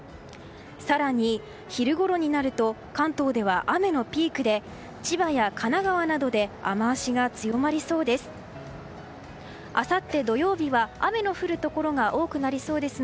更に、昼ごろになると関東では雨のピークで千葉や神奈川などで雨脚が強まりそうです。